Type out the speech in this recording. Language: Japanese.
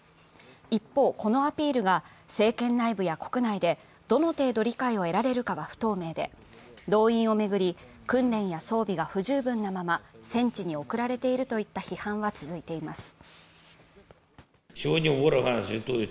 一方、このアピールが政権内部や国内でどの程度理解をえられるかは不透明で、動員を巡り、訓練や装備が不十分なまま戦地に送られているといった批判は続いています。